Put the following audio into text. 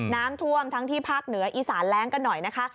น้ำท่วมทั้งที่ภาคเหนืออีสานแรงกันหน่อยนะคะ